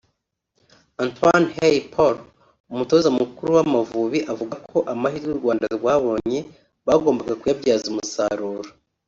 Antoine Hey Paul umutoza mukuru w'Amavubi avuga ko amahirwe u Rwanda rwabonye bagomba kuyabyaza umusaruro